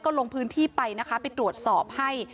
ก็ลงพื้นที่ไปไปตรวจสอบให้